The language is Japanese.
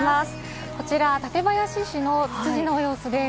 こちら館林市のツツジの様子です。